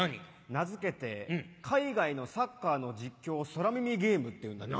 名付けて「海外のサッカーの実況空耳ゲーム」っていうんだけど。